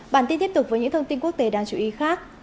bản tin tiếp tục với những thông tin quốc tế đáng chú ý khác